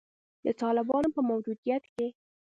د طالبانو په موجودیت کې